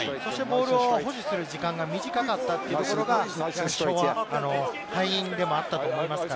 そしてボールを保持する時間が短かったところが、敗因でもあったと思います。